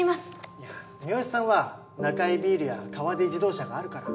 いや三好さんはナカイビールや河出自動車があるから。